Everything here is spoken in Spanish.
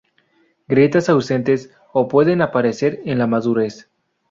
Grietas ausentes o pueden aparecer en la madurez.